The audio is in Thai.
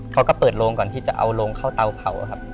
เขาก็เปิดโรงก่อนที่จะเอาโรงเข้าเตาเผาครับ